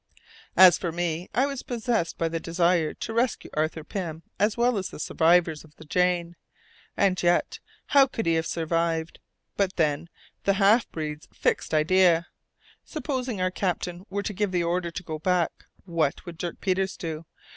As for me, I was possessed by the desire to rescue Arthur Pym as well as the survivors of the Jane. And yet, how could he have survived! But then, the half breed's fixed idea! Supposing our captain were to give the order to go back, what would Dirk Peters do?